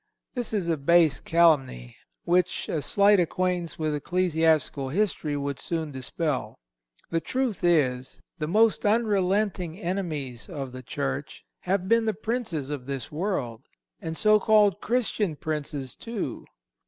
This is a base calumny, which a slight acquaintance with ecclesiastical history would soon dispel. The truth is, the most unrelenting enemies of the Church have been the princes of this world, and so called Christians princes, too.